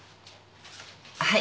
はい。